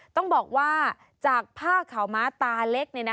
ต้องบอกว่าจากผ้าข่าวม้าตาเล็กเนี่ยนะคะ